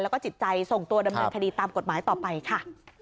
แล้วก็จิตใจส่งตัวดำเนินคดีตามกฎหมายต่อไปค่ะ